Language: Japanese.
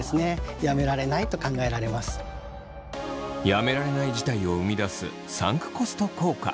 やめられない事態を生み出すサンクコスト効果。